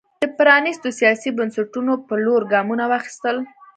د پرانېستو سیاسي بنسټونو پر لور ګامونه واخیستل.